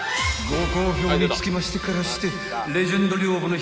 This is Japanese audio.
［ご好評につきましてからして］